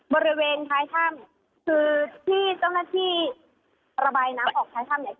บริเวณท้ายถ้ำคือที่เจ้าหน้าที่ระบายน้ำออกท้ายถ้ำเนี่ย